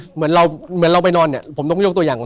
เหมือนเราไปนอนเนี่ยผมต้องยกตัวอย่าง